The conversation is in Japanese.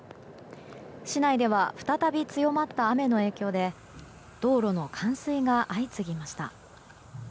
市内では再び強まった雨の影響で道路の冠水が相次ぎました。